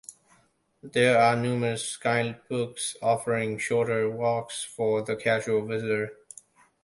There are numerous guidebooks offering shorter walks for the casual visitor.